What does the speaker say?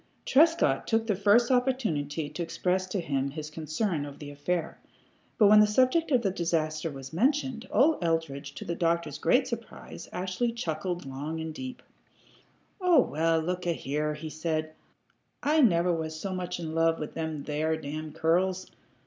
Trescott took the first opportunity to express to him his concern over the affair, but when the subject of the disaster was mentioned, old Eldridge, to the doctor's great surprise, actually chuckled long and deeply. "Oh, well, look a here," he said. "I never was so much in love with them there damn curls.